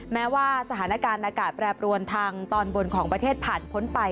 แม้ว่าสถานการณ์อากาศแปรปรวนทางตอนบนของประเทศผ่านพ้นไป